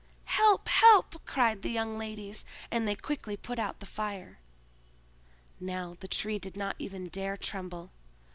"Help! help!" cried the young ladies, and they quickly put out the fire. Now the Tree did not even dare tremble.